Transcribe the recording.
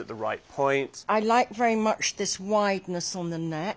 はい。